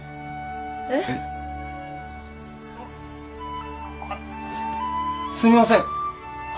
えっ？あすみません。